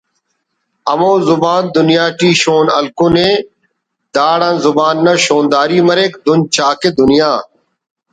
ہمو زبان دنیا ٹی شون ہلکنے داڑان زبان نا شونداری مریک دُن چا کہ دنیا